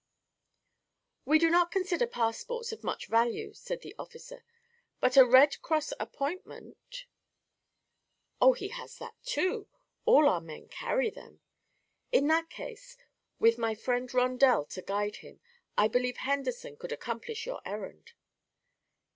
"We do not consider passports of much value," said the officer; "but a Red Cross appointment " "Oh, he has that, too; all our men carry them." "In that case, with my friend Rondel to guide him, I believe Henderson could accomplish your errand."